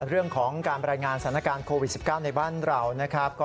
เรื่องของการรายงานสถานการณ์โควิด๑๙ในบ้านเรานะครับ